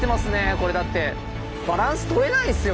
これだってバランスとれないですよ